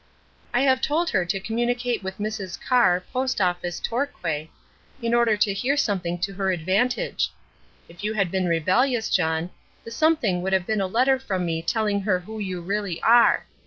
"I have told her to communicate with Mrs. Carr, Post Office, Torquay, in order to hear something to her advantage. If you had been rebellious, John, the 'something' would have been a letter from me telling her who you really are.